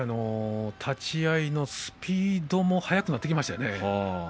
立ち合いのスピードも速くなってきましたね。